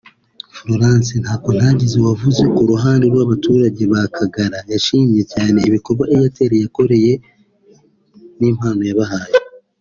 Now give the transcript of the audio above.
Florence Ntakontagize wavuze ku ruhande rw’abaturage ba Kagara yashimye cyane igikorwa Airtel yabakoreye n’impano yabahaye